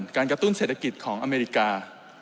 กระตุ้นเศรษฐกิจของอเมริกา